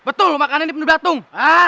betul makanan ini penuh belatung